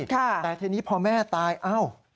ค่ะแต่ทีนี้พอแม่ตายอ้าว